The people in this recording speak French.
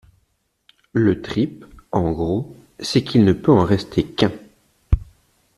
Le trip, en gros, c’est qu’il ne peut en rester qu’un.